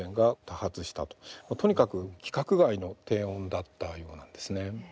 とにかく規格外の低音だったようなんですね。